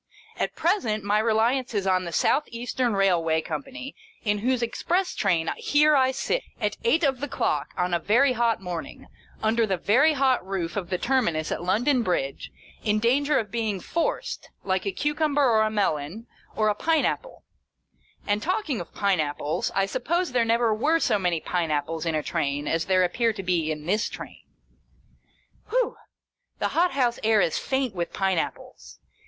At present, my reliance is on the South Eastern Railway Company, in whose Express Train here I sit, at eight of the clock on a very hot morning, under the very hot roof of the Terminus at London Bridge, in danger of being " forced " like a cucumber or a melon, or a pine apple — And talking of pine apples, I suppose there never were so many pine apples in a Train as there appear to be in this Train. Whew ! The hot house air is faint with pine apples.